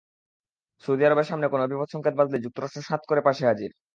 Saudi আরবের সামনে কোনো বিপৎসংকেত বাজলেই যুক্তরাষ্ট্র সাঁৎ করে পাশে হাজির।